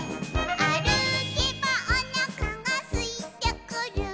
「あるけばおなかがすいてくる」